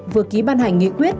vừa ký ban hành nghị quyết